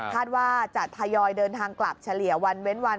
คาดว่าจะทยอยเดินทางกลับเฉลี่ยวันเว้นวัน